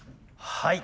はい。